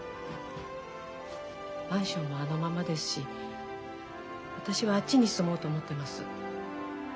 マンションもあのままですし私はあっちに住もうと思ってます。